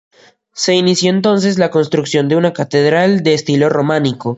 Se inició entonces la construcción de una catedral de estilo románico.